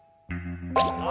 あ！